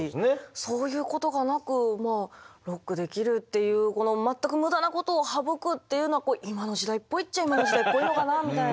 そういうことがなくまあロックできるっていう全く無駄なことを省くっていうのは今の時代っぽいっちゃ今の時代っぽいのかなみたいな。